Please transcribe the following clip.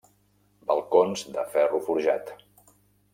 Balcons de ferro forjat.